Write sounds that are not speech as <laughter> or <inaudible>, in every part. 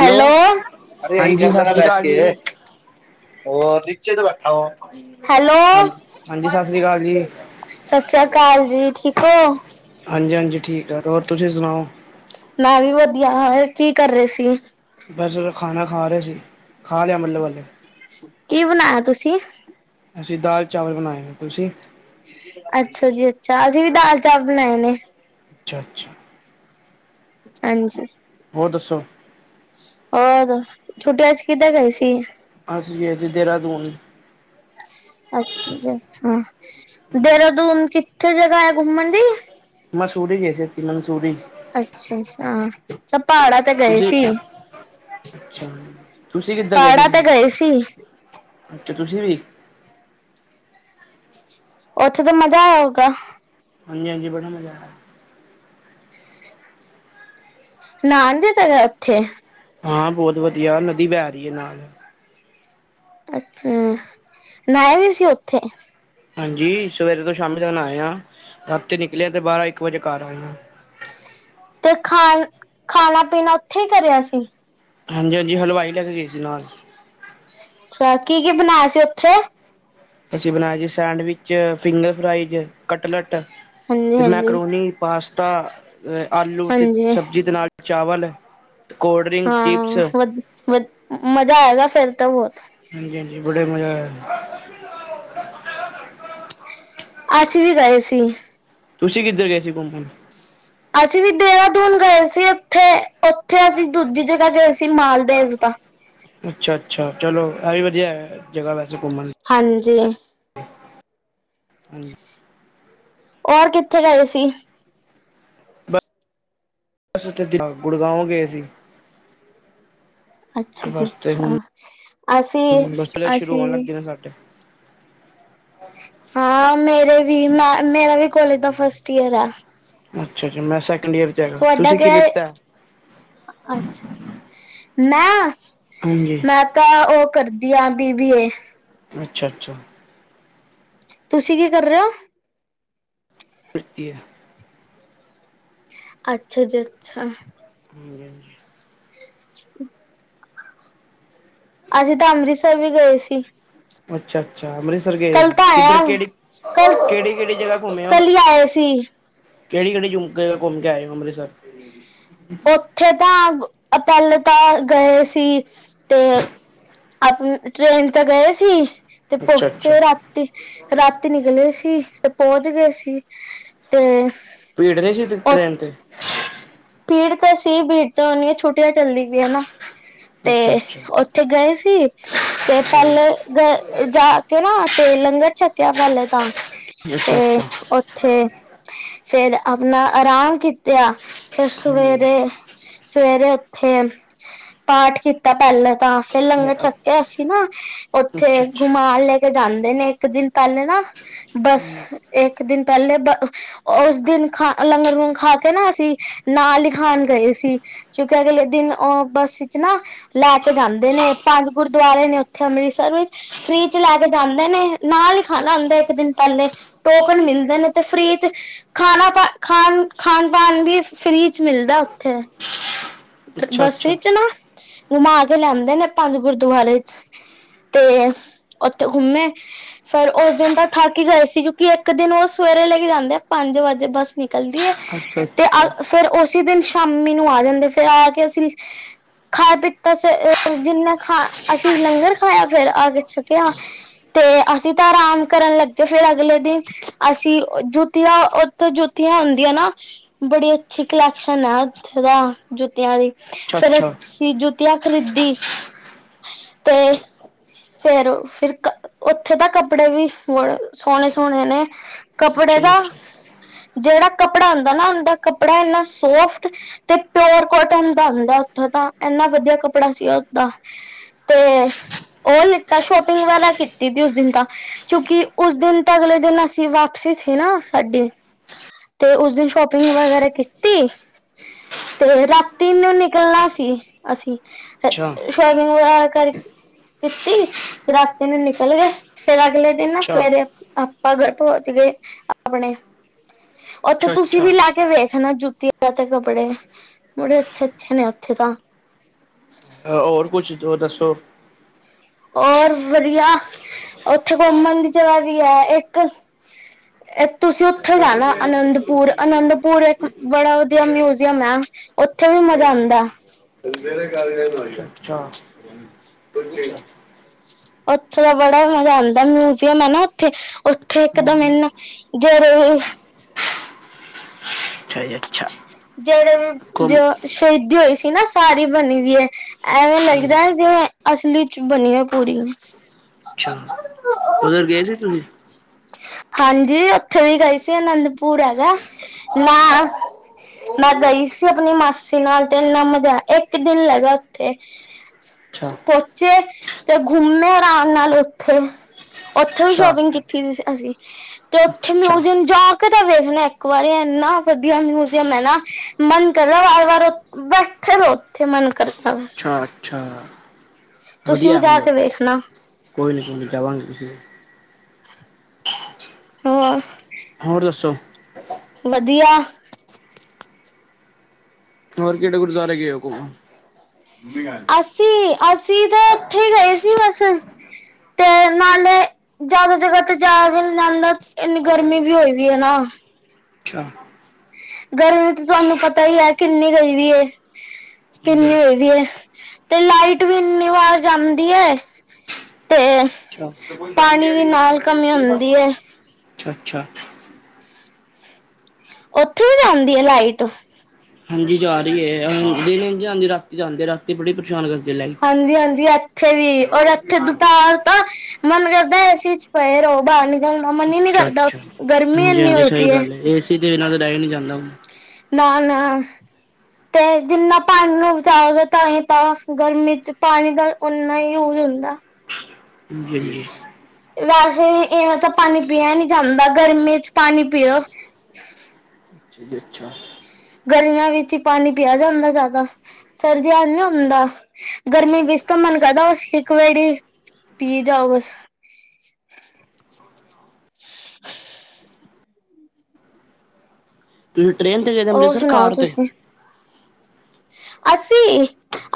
Hello, ਅਬੇ ਯਹੀਂ ਹਾਂਜੀ ਕਰ ਸਤਿ ਲੇ ਨਾ ਸ਼੍ਰੀ ਬੈਠ ਅਕਾਲ ਕੇ। ਜੀ <unintelligible> ਹੈਲੋ, ਹੈਲ ਹਾਂਜੀ ਸਤਿ ਸ਼੍ਰੀ ਅਕਾਲ ਜੀ ਸਤਿ ਸ਼੍ਰੀ ਅਕਾਲ ਜੀ, ਠੀਕ ਔ। ਅੰਜਨ ਜੀ ਠੀਕ ਆ, ਔਰ ਤੁਸੀਂ ਸੁਣਾਔ। ਮੈਂ ਵੀ ਵਧੀਆ, ਕੀ ਕਰ ਰਹੇ ਸੀ। ਬਸ ਖਾਣਾ ਖਾ ਰਹੇ ਸੀ, ਖਾ ਲਿਆ ਮਤਲਬ ਕੀ ਬਣਾਇਆ ਤੁਸੀਂ? ਅਸੀਂ ਦਾਲ ਚਾਵਲ ਬਣਾਏ ਨੇ, ਤੁਸੀਂ। ਅੱਛਾ ਜੀ ਅੱਛਾ, ਅਸੀਂ ਵੀ ਦਾਲ ਚਾਵਲ ਬਣਾਏ ਨੇ। ਅੱਛਾ ਅੱਛਾ ਹਾਂਜੀ ਹੋਰ ਦੱਸੋ ਔਰ ਛੁਟੀਆਂ ਸੀ ਕਿੱਧਰ ਗਏ ਸੀ। ਅਸੀਂ ਇਥੇ ਦੇਹਰਾਦੁਨ। ਅੱਛਾ ਦੇਹਰਾਦੁਨ ਕਿੱਥੇ ਜਗਾਹ ਹੈ, ਘੁੰਮਣ ਦੀ। ਮਸੂੂਰੀ ਹੈ ਜੈਸੀ ਨਸ। ਅੱਛਾ ਹਾਂ, ਤੇ ਪਹਾੜਾ ਤੇ ਗਏ ਤੁਸੀਂ ਸੀ। ਅੱਛਾ, ਤੁਸੀਂ ਕਿੱਥੇ ਗਏ ਸੀ ਪਹਾੜਾਂ ਤੇ ਘੁੰਮਣ, ਸੀ ਅੱਛਾ ਤੁਸੀਂ ਵੀ ਔਥੇ ਤੇ ਮਜਾ ਆਯਾ ਹੋਗਾ। ਹਾਂਜੀ ਹਾਂਜੀ ਬੜਾ ਮਜ਼ਾ ਆਯਾ। ਨਾਣ ਵੀ ਸਕਦਾ ਐਥੇ। ਆ ਬਹੁਤ ਵਧੀਆ, ਨਦੀ ਬਹਿ ਰਹੀ ਐ ਨਾਲ। ਐਥੇ, ਮੈਂ ਵੀ ਸੀ ਉਥੇ। ਹਾਂਜੀ ਸਵੇਰੇ ਤੋਂ ਸ਼ਾਮ ਤਕ ਨਹਾਏ ਆ, ਰਾਤੀ ਨਿਕਲੇ ਆਂ ਤੇ ਬਾਰਾਂ ਇੱਕ ਵਜੇ ਘਰ ਆਏ ਆਂ। ਹ <unintelligible> ਤੇ ਖਾ ਖਾਣਾ ਪੀਣਾ ਉੱਥੇ ਈ ਕਰਿਆ ਸੀ। ਹਾਂਜੀ ਹਾਂਜੀ, ਹਲਵਾਈ ਲੈ ਕੇ ਗਈ ਸੀ ਨਾਲ। ਅੱਛਾ, ਕੀ ਕੀ ਬਣਾਇਆ ਸੀ ਉੱਥੇ। ਅਸੀਂ ਬਣਾਏ ਜੀ ਸੈਂਡਵਿਚ, ਫਿੰਗਰ ਫਰਾਈਜ, ਕਟਲਟ ਹਾਂਜੀ ਤੇ ਹਾਂਜੀ ਮੈਕਰੋਨੀ, ਪਾਸਤਾ, ਆਲੂ, ਤੇ ਹਾਂਜੀ ਸਬਜ਼ੀ ਦੇ ਨਾਲ ਚਾਵਲ ਕੋਲਡ ਡਰਿੰਕ ਚਿਪਸ ਹਾਂਆਂਆਂ। ਵਧ ਵਧ। ਮਜ਼ਾ ਆਏਗਾ ਫੇਰ ਤਾਂ ਹੋਰ। ਹਾਂਜੀ-ਹਾਂਜੀ। ਬੜਾ ਮਜ਼ਾ ਆਯਾ। ਅਸੀ ਵੀ ਗਏ ਸੀ। ਤੁਸੀਂ ਕਿੱਧਰ ਗਏ ਸੀ ਘੁੰਪਣ? ਅਸੀਂ ਵੀ ਦੇਹਰਾਦੂਨ ਗਏ ਸੀ ਉੱਥੇ, ਉੱਥੇ ਅਸੀਂ ਦੂਜੀ ਜਗਾ ਗਏ ਸੀ। ਤੇ ਮਾਲ ਭੇਜ ਦਿਤਾ। ਅੱਛਾ-ਅੱਛਾ, ਚਲੋ ਇਹ ਵੀ ਵਧੀਆ ਹੈ ਜਗਾ ਵੈ ਹਾਂਜੀ। ਹੁਂ। ਹੋਰ ਕਿੱਥੇ ਗਏ ਸੀ? ਅਸੀਂ ਤੇ ਜੀ ਗੁੜਗਾਉਂ ਗਏ ਸੀ। ਅੱਛਾ ਜੀ ਬਸ ਤੇ ਹੁਣ ਅੱਛਾ ਅਸੀਂ ਮਸਲੇ ਸ਼ੁਰੂ ਅਸੀਂ ਹੋਣ ਵੀ ਲੱਗਦੇ ਨੇ ਸਾਡੇ। ਹਾਂ, ਮੇਰੇ ਵੀ। ਮੈਂ ਮੇਰਾ ਵੀ ਕੋਲੇਜ ਦਾ ਫਸਟ ਈਅਰ ਹੈ। ਅੱਛਾ-ਜੱਛਾ ਮੈਂ ਸੈਕ ਤੁਹਾਡਾ ਕਯਾ ਏ ਮੈਂ, ਹਾਂਜੀ ਮੈਂ ਤਾਂ ਉਹ ਕਰਦੀ ਆਂ, ਬੀਬੀਏ। ਅੱਛਾ-ਅੱਛਾ। ਤੁਸੀਂ ਕੀ ਕਰ ਰਹੇ ਹੋ। ਪ੍ਰੱਤੀਹ ਅੱਛਾ ਜੀ ਅੱਛਾ ਹਾਂਜੀ ਹਾਂਜੀ ਹੂ ਅਸੀਂ ਤਾਂ ਅੰਮ੍ਰਿਤਸਰ ਵੀ ਗਏ ਸੀ। ਅੱਛਾ-ਅੱਛਾ। ਅੱ ਅੰਮ੍ਰਿਤਸਰ ਗਏ ਕੱਲ ਸੀ? ਤਾਂ ਕਿੱਧਰ ਆਇਆ ਕਿਹੜੀ, ਕੱਲ ਕਿਹੜੀ-ਕਿਹੜੀ ਜਗਾ ਘੁੰਮੇ ਉਹ? ਕੱਲ ਹੀ ਆਏ ਸੀ ਕਿਹੜੀ-ਕਿਹੜੀ ਝੁਮਕੇ ਘੁੰਮਕੇ ਆਏ ਹੋ ਅੰਮ੍ਰਿਤਸਰ? ਉੱਥੇ ਤਾਂ ਪਹਿਲੇ ਤਾਂ ਗਏ ਸੀ ਤੇ ਆਪ ਟ੍ਰੇਨ ਤਾਂ ਗਏ ਸੀ ਤੇ ਅੱਛਾ ਅੱਛਾ ਪਹਂਚੇ ਰਾਤੀ। ਰਾਤੀ ਨਿਕਲੇ ਸੀ ਤੇ ਪਹੁੰਚ ਗਏ ਸੀ। ਤੇ ਪੀੜ ਨਈ ਸੀੇ ਤ ਟ੍ਰੈਨ ਤੇ? ਭੀੜ ਤੇ ਸੀ। ਭੀੜ ਤਾਂ ਹੋਨੀ ਏ। ਛੁੱਟੀਆਂ ਚੱਲਦੀ ਪਈ ਏ ਨਾ। <inaudible> ਤੇ ਅੱਛਾ ਉੱਥੇ ਗਏ ਸੀ। ਤੇ ਅੱਛਾ ਪਹਿਲੇ ਗ ਜਾ ਕੇ ਨਾ ਤੇ ਲੰਗਰ ਛੱਕਿਆ ਪਹਿਲੇ ਤਾਂ। ਅੱਛਾ ਤੇ ਅੱਛਾ ਉੱਥੇ ਫੇਰ ਆਪਣਾ ਆਰਾਮ ਕੀਤਾ। ਫਿਰ ਸਵੇਰੇ-ਸਵੇਰੇ ਫੇਰ ਪਾਠ ਕੀਤਾ ਪਹਿਲਾਂ ਤਾਂ। ਫੇਰ ਲੰਗਰ ਛੱਕ ਕੇ ਅਸੀਂ ਨਾ ਉੱਥੇ ਘੁਮਾਣ ਲੈ ਕੇ ਜਾਂਦੇ ਨੇ ਇੱਕ ਦਿਨ ਪਹਿਲੇ ਨਾ। ਬਸ ਇੱਕ ਦਿਨ ਪਹਿਲੇ ਤਾਂ ਉਸ ਦਿਨ ਖਾ ਲੰਗਰ-ਲੁਂਗਰ ਖਾ ਕੇ ਨਾ ਅਸੀਂ ਨਾਂ ਲਿਖਾਉਣ ਗਏ ਸੀ ਕਿਉਂਕਿ ਅਗਲੇ ਦਿਨ ਉਹ ਬੱਸ ਵਿੱਚ ਨਾ ਲੈ ਕੇ ਜਾਂਦੇ ਨੇ। ਪੰਜ ਗੁਰਦੁਆਰੇ ਨੇ ਉੱਥੇ ਅੰਮ੍ਰਿਤਸਰ ਵਿੱਚ ਫ੍ਰਰੀ ਚ ਲੈ ਕੇ ਜਾਂਦੇ ਨੇ। ਨਾਂ ਲਿਖਾਣਾ ਹੁੰਦਾ ਇੱਕ ਦਿਨ ਪ ਲੇ। ਟੋਕਨ ਮਿਲਦੇ ਨੇ। ਤੇ ਫ੍ਰੀ ਚ ਖਾਣਾ ਪਾ ਖਾਣ-ਪਾਣ ਵੀ ਫਰੀ ਚ ਮਿਲਦਾ ਉੱਥੇ। ਤੇ ਅੱਛਾ ਅੱਛਾ ਬੱਸ ਅੱਛਾ ਚ ਨਾ, ਘੁਮਾ ਕੇ ਲੈਂਦੇ ਨੇ ਪੰਜ ਗੁਰਦੁਆਰੇ ਚ। ਤੇ ਉੱਥੇ ਘੁੰਮੇ। ਫੇਿਰ ਉਸ ਦਿਨ ਤਾਂ ਥਕ ਈ ਗਏ ਸੀ ਕਿਉਂਕਿ ਇੱਕ ਦਿਨ ਉਹ ਸਵੇ ਰੇ ਲੈ ਕੇ ਜਾਂਦੇ ਆ ਪੰਜ ਵਜੇ ਬੱਸ ਨਿਕਲਦੀ ਹੈ। ਅੱਛਾ-ਅੱਛਾ। ਫੇਿਰ ਉਸੇ ਦਿਨ ਸ਼ਾਮੀ ਨੂੰ ਆ ਜਾਂਦੇ। ਫੇਿਰ ਆ ਕੇ ਅਸੀਂ ਖਾ ਪੀਤਾ ਸੇ ਜਿੰਨਾ ਖਾ ਅਸੀਂ ਲੰਗਰ ਖਾਇਆ ਫੇਿਰ ਆ ਕੇ ਛਕਿਆ- ਤੇ ਅਸੀਂ ਤਾਂ ਆਰਾਮ ਕਰਨ ਲੱਗੇ ਫੇਰ ਅਗਲੇ ਦਿਨ ਅਸੀਂ ਜੁੱਤੀਆਂ ਉੱਥੇ ਜੁੱਤੀਆਂ ਹੁੰਦੀ ਆ ਨਾ, ਬੜੀ ਅੱਛੀ ਕਲੈਕਸ਼ਨ ਹੈ ਉੱਥੇ ਤਾਂ। ਜੁੱਤੀਆਂ ਦੀ, ਫੇਰ ਅਸੀਂ ਜੁੱਤੀਆਂ ਖਰੀਦੀ, ਤੇ ਫੇਰ ਫਿਰ ਉੱਥੇ ਤਾਂ ਕੱਪੜੇ ਵੀ ਸੋਹਣੇ-ਸੋਹਣੇ ਨੇ। ਕੱਪੜੇ ਅੱਛਾ ਜੀ ਦਾ, ਜਿਹੜਾ ਕੱਪੜਾ ਹੁੰਦਾ ਨਾ ਉਂਦਾ ਕੱਪੜਾ ਇੰਨਾ ਸੋਫਟ ਤੇ ਪਿਓਰ ਕੋਟਨ ਦਾ ਹੁੰਦਾ ਉੱਥੋਂ ਦਾ ਇੰਨਾ ਵਧੀਆ ਕੱਪੜਾ ਸੀ ਉਸ ਦਾ ਤੇ ਉਹ ਲਿੱਤਾ ਸ਼ੋਪਿੰਗ ਵਾਲਾ ਕੀਤੀ ਸੀ ਉਸ ਦਿਨ ਤਾਂ ਕਿਉਂਕਿ ਉਸ ਦਿਨ ਤਾਂ ਅਗਲੇ ਦਿਨ ਅਸੀਂ ਵਾਪਸੀ ਸੀ ਨਾ ਸਾਡੀ, ਤੇ ਉਸ ਦਿਨ ਸ਼ੋਪਿੰਗ ਵਗੈਰਾ ਕੀਤੀ ਤੇ ਰਾਤੀ ਨੂੰ ਨਿਕਲਣਾ ਸੀ ਅਸੀਂ, ਅੱਛਾ ਸ਼ੋਪਿੰਗ ਵਗੈਰਾ ਕਰ ਕੀਤੀ ਰਾਤੀ ਨੂੰ ਨਿਕਲ ਗਏ ਫੇਰ ਅਗਲੇ ਦਿਨ ਨਾ ਅੱਛਾ ਸਵੇਰੇ ਭਗੜ ਪਹੁੰਚ ਗਏ ਆਪਣੇ। ਉੱਥੇ ਅੱਛਾ ਤੁਸੀਂ ਅੱਛਾ ਵੀ ਲਾ ਕੇ ਵੇਖਣਾ ਜੁ ਦੀਪਾ ਤੇ ਕਪੜੇ, ਬੜੇ ਅਛੇ-ਅੱਛੇ ਨੇ ਉੱਥੇ ਤਾਂ। ਹੋਰ ਕੁਛ ਤੋ ਦੱਸੋ। ਹੋਰ ਵਧੀਆ, ਉੱਥੇ ਘੁੰਮਣ ਦੀ ਜਗ੍ਹਾ ਵੀ ਹੈ ਇੱਕ। ਤੁਸੀਂ ਉੱਥੇ ਅੱਛਾ ਜਾਣਾ ਅੱਛਾ ਅਨੰਦਪੁਰ ਅਨੰਦਪੁਰ ਇੱਕ ਬੜਾ ਵਧੀਆ ਮਿਊਜ਼ੀਅਮ ਐ। ਉੱਥੇ ਵੀ ਮਜ਼ਾ ਆਂਦਾ। <unintelligible> ਅੱਛਾ। ਉੱਥੇ ਦਾ ਬੜਾ ਮਜ਼ਾ ਆਉਂਦਾ ਮਿਊਜ਼ੀਅਮ ਹੈ ਨਾ ਉੱਥੇ। ਉੱਥੇ ਇੱਕਦਮ ਇਹਨਾ ਜੋ ਰੋ ਏ ਜੀ ਅੱਛਾ ਜਿਹੜੇ ਵੀ ਜੇ ਕਮ ਸਹੀਦ ਹੋਈ ਸੀ ਨਾ ਸਾਰੀ ਬਣੀ ਵੀਈ ਏ। ਐਵੇਂ ਲੱਗਦਾ ਜਿਵੇਂ ਅਸਲੀ ਚ ਬਣੀ ਹੈ ਪੂਰੀ। ਅੱਛਾ। ਉਧਰ ਗਏ ਸੀ ਤੁਸੀਂ ਹਾਂਜੀ ਉੱਥੇ ਵੀ ਗਏ ਸੀ ਅਨੰਦਪੁਰ ਹੈਗਾ, ਮੈਂ ਮੈਂ ਗਈ ਸੀ ਆਪਣੀ ਮਾਸੀ ਨਾਲ ਤੇ ਨਮਦ ਇੱਕ ਦਿਨ ਲਗਾ ਉੱਥੇ। ਅੱਛਾ ਪਹੁੰਚੇ ਤੇ ਘੁੰਮੇ ਆਰਾਮ ਨਾਲ ਉੱਥੇ। ਉੱਥੇ ਵੀ ਅੱਛਾ ਸ਼ੋਪਿੰਗ ਕੀਤੀ ਸੀ ਅਸੀਂ, ਤੇ ਉੱਥੇ ਅੱਛਾ ਮਿਊਜ਼ੀਅਮ ਜਾ ਕਿਤੇ ਵੇਖਣਾ ਇੱਕ ਵਾਰੀ ਇਨਾ ਵਧੀਆ ਮਿਊਜ਼ੀਅਮ ਹੈ ਨਾ ਮਨ ਕਰਦਾ ਵਾਰ-ਵਾਰ ਫੇਰ ਉੱਥੇ ਮਨ ਕਰ ਅੱਛਾ-ਅੱਛਾ ਤੁਸੀਂ ਵੀ ਵਧੀਆ ਜਾ ਮਤਲਬ, ਕੇ ਵੇਖਣਾ ਕੋਈ ਨਾ ਜਾਵਾਂਗੇ ਕਿਸੀ ਦਿਨ। ਹੋਰ ਹੋਰ ਦੱਸੋ? ਵਧੀਆ। ਹੋਰ ਕਿਹੜੇ ਗੁਰਦੁਆਰੇ ਗਏ ਓ ਘੁੰਮਣ? ਅਸੀਂ ਅਸੀਂ ਤਾਂ ਉੱਥੇ ਈ ਗਏ ਸੀ ਬਸ ਤੇ ਨਾਲੇ ਜ਼ਿਆਦਾ ਜਗ੍ਹਾ ਤੇ ਜਾ ਵੀ ਨੀ ਜਾਂਦਾ ਇੰਨੀ ਗਰਮੀ ਵੀ ਹੋਈ ਵੀ ਏ ਨਾ। ਅੱਛਾ। ਗਰਮੀ ਤੇ ਤੁਹਾਨੂੰ ਪਤਾ ਹੀ ਹੈ ਕਿੰਨੀ ਗਈ ਵੀ ਏ, ਜੀ ਕਿੰਨੀ ਹੋਈ ਵੀ ਹੈ। ਤੇ ਲਾਈਟ ਵੀ ਇੰਨੀ ਵਾਰ ਜਾਂਦੀ ਏ। ਅੱਛਾ, ਕਮੀ ਹੁੰਦੀ ਹੈ ਅੱਛਾ-ਅੱਛਾ। ਉੱਥੇ ਵੀ ਜਾਂਦੀ ਆ ਲਾਈਟ? ਹਾਂਜੀ ਜਾ ਰਹੀ ਹੈ ਦਿਨੇ ਨਹੀ ਜਾਂਦੀ ਰਾਤੀ ਜਾਂਦੇ ਰਾਤੀ ਬੜੀ ਪਰੇਸ਼ਾਨ ਕਰਦੇ। ਹਾਂਜੀ-ਹਾਂਜੀ ਇੱਥੇ ਵੀ ਔਰ ਇੱਥੇ ਦੁਪਹਿਰ ਤਾਂ ਮਨ ਕਰਦਾ ਏ ਸੀ 'ਚ ਪਏ ਰਹੋ ਬਾਹਰ ਨਿਕਲਣ ਦਾ ਮਨ ਹੀ ਨੀ ਅੱਛਾ ਕਰਦਾ ਅੱਛਾ ਗਰਮੀ ਇੰਨੀ ਹੋਈ ਪਈ ਏ। ਕਿਸੇ ਚੀਜ਼ ਨਾਲ ਡਹਿ ਹੀ ਨੀ ਜਾਂਦਾ ਹੋਊ। ਨਾ-ਨਾ ਤੇ ਜਿੰਨਾ ਪਾਣੀ ਨੂੰ ਬਚਾਵਾਗੇ ਤਾਂ ਹੀ ਤਾਂ ਗਰਮੀ 'ਚ ਪਾਣੀ ਦਾ ਉਹਨਾਂ ਹੀ ਯੂਜ ਹੁੰਦਾ। <unintelligible> ਵੈਸੇ, ਵੀ ਇਵੇਂ ਤਾਂ ਪਾਣੀ ਪੀਆ ਨੀ ਜਾਂਦਾ। ਗਰਮੀ ਚ ਪਾਣੀ ਪੀਓ। ਜੀ, ਅੱਛਾ। ਗਰਮੀਆਂ ਵਿੱਚ ਹੀ ਪਾਣੀ ਪਿਆ ਜਾਂਦਾ ਜ਼ਿਆਦਾ, ਸਰਦੀਆਂ ਚ ਨੀ ਹੁੰਦਾ। ਗਰਮੀ ਵਿੱਚ ਇਸ ਤੋਂ ਮਨ ਕਰਦਾ ਬਸ ਇੱਕ ਵੇਰੀ ਪੀ ਜਾਓ, ਬਸ <inaudible> ਹ <unintelligible> ਤੁਸੀਂ ਟ੍ਰੇਨ ਤੇ ਗਏ ਸੀ, ਉਹ ਅੰਮ੍ਰਿਤਸਰ ਸੁਣਾਓ ਕਾਰ ਤੇ? ਤੁਸੀਂ ਅਸੀਂ,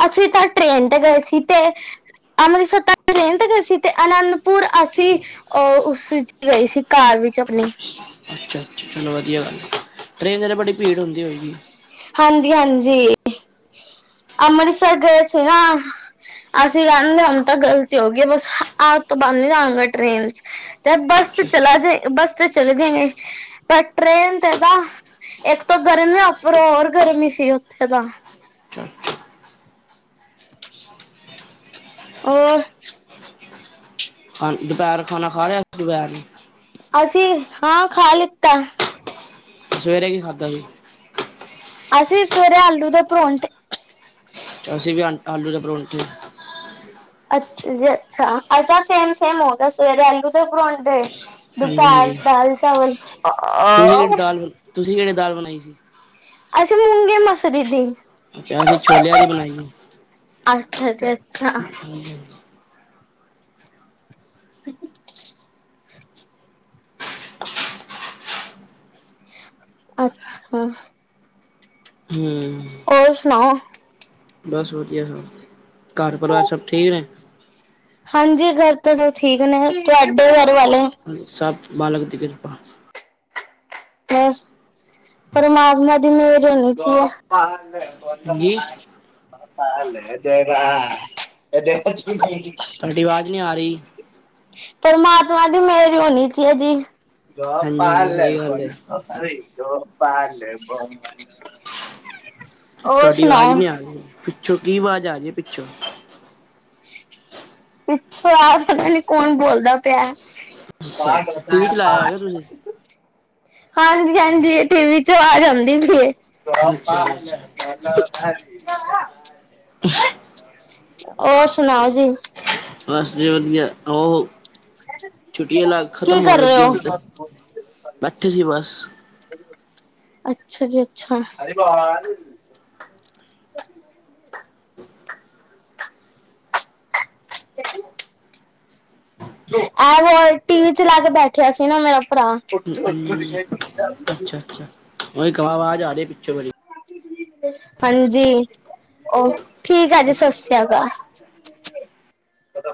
ਅਸੀਂ ਤਾਂ ਟ੍ਰੇਨ ਤੇ ਗਏ ਸੀ ਤੇ ਅੰਮ੍ਰਿਤਸਰ ਤਕ ਟ੍ਰੇਨ ਤੇ ਗਏ ਸੀ। ਤੇ ਅਨੰਦਪੁਰ ਅਸੀਂ ਅ ਉਸ ਵਿੱਚ ਗਏ ਸੀ ਕਾਰ। ਵਿੱਚ ਆਪਣੀ ਅੱਛਾ, ਅੱਛਾ ਚਲੋ ਵਧੀਆ ਗੱਲ ਹੈ। ਟ੍ਰਰੇਨ ਚ ਬੜੀ ਭੀੜ ਹੁੰਦੀ ਹੋਏਗੀ। ਹਾਂਜੀ- ਹਾਂਜੀ। ਅੰਮ੍ਰਿਤਸਰ ਗਏ ਸੀ ਨਾ, ਅਸੀਂ ਕਹਿੰਦੇ ਹੁਣ ਤਾਂ ਗ਼ਲਤੀ ਹੋ ਗਈ, ਬਸ ਅੱਜ ਤੋਂ ਬਾਦ ਨੀ ਜਾਵਾਂਗੇ ਟ੍ਰੇਨ ਚ, 'ਤੇ ਬੱਸ ਤੇ ਅੱਛਾ ਅੱਛਾ ਚਲਾ ਜਾਈ, ਬੱਸ ਤੇ ਚਲੇ ਜਾਗੇ, ਪਰ ਟ੍ਰੇਨ ਤੇ, ਤਾਂ ਇੱਕ ਤੋਂ ਗਰਮੀ ਉੱਪਰੋਂ ਹੋਰ ਗਰਮੀ ਸੀ। ਉੱਥੇ ਤਾਂ ਅੱਛਾ <inaudible> ਹੋਰ? ਖਾਨ ਦੁਪਹਿਰ ਖਾਣਾ ਖਾ ਲਿਆ ਦੁਪਹਿਰ? ਅਸੀਂ, ਹਾਂ ਖਾ ਲਿੱਤਾ। ਸਵੇਰੇ ਕੀ ਖਾਧਾ ਸੀ? ਅਸੀਂ ਸਵੇਰੇ ਆਲੂ ਦੇ ਪਰੌਂਠੇ। ਅਸੀਂ ਵੀ ਆਲੂ ਦੇ ਪਰੌਂਠੇ। ਅੱਛਾ ਜੀ, ਅੱਛਾ, ਅੱਜ ਤਾਂ ਸੇਮ -ਸੇਮ ਹੋਗਿਆ ਸਵੇਰੇ ਆਲੂ ਦੇ ਪਰੋਂਠੇ ਹਾਂਜੀ ਦੁਪਹਿਰ, ਹਾਂਜੀ ਦਾਲ -ਚਾਵਲ ਤੁਸੀਂ ਕਿਹੜੀ ਆ- ਦਾਲ ਤੁਸੀਂ <unintelligible> ਅਸੀਂ, ਮੂੰਗੀ ਮਸਰੀ ਦੀ ਅੱਛਾ, ਅਸੀਂ ਛੋਲਿਆਂ ਦੀ ਬਣਾਈ ਆ। ਅੱਛ- ਅੱਛਾ। <unintelligible> <inaudible> ਅੱਛਾਂ <unintelligible> ਹਮ ਹੋਰ ਸੁਣਾਓ। ਬਸ ਵਧੀਆ। ਸਭ ਘਰ ਪਰਿਵਾਰ ਸਭ ਠੀਕ ਨੇ? ਹਾਂਜੀ ਘਰ, ਤਾਂ ਜੋ ਠੀਕ ਨੇ, ਤੁਹਾਡੇ ਘਰ? ਵਾਲੇ ਸਭ, ਮਾਲਕ ਦੀ ਕਿਰਪਾ। ਖੈਰ, ਪਰਮਾਤਮਾ ਦੀ ਮਿਹਰ ਹੋਣੀ ਚਾਹੀਦੀ ਜੀ <unintelligible> ਤੁਹਾਡੀ ਆਵਾਜ਼ ਨਹੀਂ ਆ ਰਹੀ। ਪਰਮਾਤਮਾ, ਦੀ ਮੇਹਰ ਹੋਣੀ ਚਾਹੀਦੀ। ਹਾਂਜੀ ਹਾਂਜੀ ਗੋਪਾਲ ਸਹੀ ਗੱਲ ਹੈ ਗੋਪਾਲ, ਗੋਬਿੰਦ। ਤੁਹਾਡੀ ਆਵਾਜ਼ ਨੀ ਆ ਰਹੀ। ਪਿੱਛੋਂ ਕੀ ਆਵਾਜ਼ ਆ ਰਹੀ ਹੈ? ਪਿੱਛੋਂ ਪਿੱਛੋਂ, ਆ ਪਤਾ ਨੀ ਕੌਣ ਬੋਲਦਾ ਪਿਆ। ਅੱਛਾ ਪਾਠ ਅੱਛਾ ਟੀ ਹੁੰਦਾ, ਵੀ ਚਲਾਇਆ ਹੈਗਾ ਪਾਠ। ਤੁਸੀਂ ਹਾਂਜੀ -ਹਾਂਜੀ, ਟੀਵੀ ਚੋਂ ਵਾਜ ਆਂਦੀ ਪੀ ਏ। ਅੱਛਾ ਜੀ ਅੱਛਾ <unintelligible> <unintelligible> ਓਰ ਸੁਣਾਓ ਜੀ। ਬਸ ਜੀ ਵਧੀਆ, ਉਹ ਛੁੱਟੀਆਂ ਲ ਕੀ ਖਤਮ ਹੋਣ ਕਰ ਰਹੇ ਲੱਗੀਆਂ ਹੁਣ ਤੇ ਓ? ਬੈਠੇ ਸੀ ਬਸ <inaudible> ਅੱਛਾ ਜੀ ਅੱਛਾ ਆ ਹੋਰ ਟੀ ਵੀ ਚ ਲਾ ਕੇ ਬੈਠਿਆ ਸੀ ਨਾ ਮੇਰਾ <inaudible> ਭਰਾ ਹਾਂਜੀ ਹਾਂਜੀ ਅੱਛਾ ਅੱਛਾ ਕ ਆਵਾਜ਼ ਆਰੀ ਏ ਪਿੱਛੋ ਹਾਂਜੀ ਠੀਕ ਆ ਜੀ ਸਸਿ ਸ੍ਰੀ ਕਾਲ। ਪਤਾ <unintelligible>